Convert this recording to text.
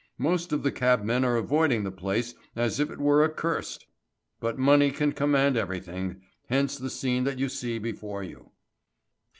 Most of the cabmen are avoiding the place as if it were accursed. But money can command everything, hence the scene that you see before you."